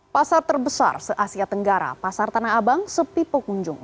pasar terbesar se asia tenggara pasar tanah abang sepi pengunjung